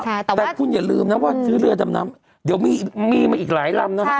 แต่คุณอย่าลืมนะว่าซื้อเรือดำน้ำเดี๋ยวมีมาอีกหลายลำนะฮะ